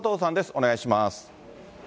お願いします。